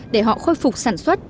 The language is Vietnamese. để họ khôi phục sản xuất